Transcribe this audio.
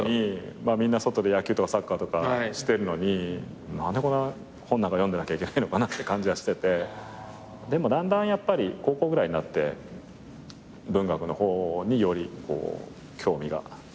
みんな外で野球とかサッカーとかしてるのに何でこんな本なんか読んでなきゃいけないのかなって感じはしててでもだんだんやっぱり高校ぐらいになって文学の方によりこう興味が移ってった。